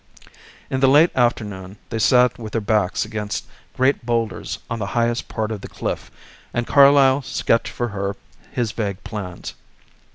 In the late afternoon they sat with their backs against great boulders on the highest part of the cliff and Carlyle sketched for her his vague plans.